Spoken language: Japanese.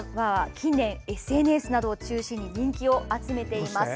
近年、ＳＮＳなどを中心に人気を集めています。